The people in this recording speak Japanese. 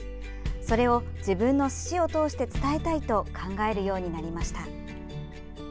それを自分のすしを通して伝えたいと考えるようになりました。